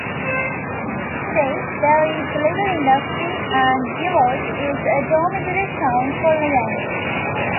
Today there is little industry and Givors is a dormitory town for Lyon.